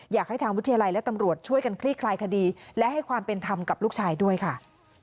อยากให้ทางวิทยาลัยและตำรวจช่วยกันคลี่คลายคดีและให้ความเป็นธรรมกับลูกชายด้วยค่ะ